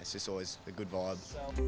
ini selalu merupakan alasan yang baik